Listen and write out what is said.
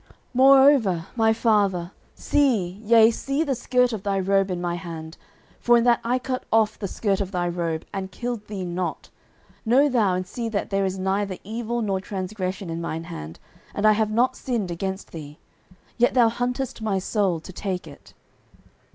09:024:011 Moreover, my father, see, yea, see the skirt of thy robe in my hand: for in that I cut off the skirt of thy robe, and killed thee not, know thou and see that there is neither evil nor transgression in mine hand, and I have not sinned against thee; yet thou huntest my soul to take it.